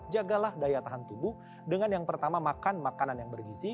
jagalah daya tahan tubuh dengan yang pertama makan makanan yang bergizi